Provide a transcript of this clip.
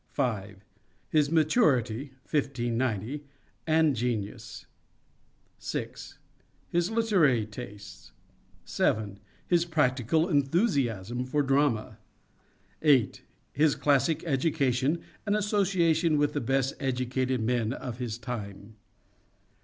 5. His maturity (1590) and genius. 6. His literary tastes. 7. His practical enthusiasm for drama. 8. His classic education and association with the best educated men of his time.